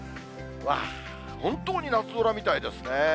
うわー、本当に夏空みたいですね。